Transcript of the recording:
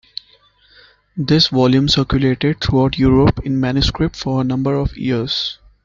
This volume circulated throughout Europe in manuscript for a number of years.